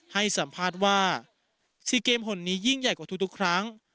ให้สัมภาษณ์ว่า๔เกมห่นนี้ยิ่งใหญ่กว่าทุกครั้ง